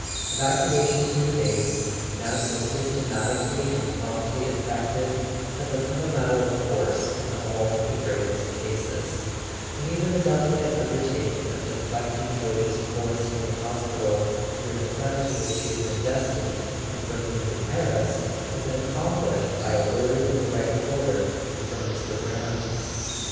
Evacuation from the base, now so systematically and promptly effected, had become a matter of course in all but the gravest cases; and even the delicate un¬ dertaking of deflecting George's course from the hos¬ pital near the front to which he had been destined, and bringing him to Paris, had been accomplished by a word in the right quarter from Mr. Brant.